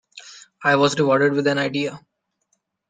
I was rewarded with an idea.